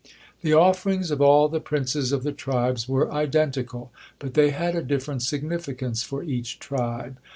The offerings of all the princes of the tribes were identical, but they had a different significance for each tribe.